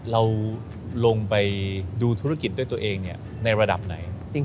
เราลงไปดูธุรกิจด้วยตัวเองในระดับไหน